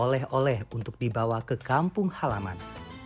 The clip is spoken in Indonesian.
oleh oleh untuk dibawa ke kampung halaman